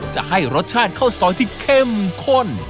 จะให้รสชาติข้าวซอยที่เข้มข้น